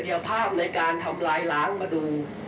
เราอยากเข้าบ้านของเรา